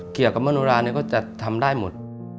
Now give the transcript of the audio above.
เกี่ยวกับมนุราเนี่ยก็จะทำได้หมด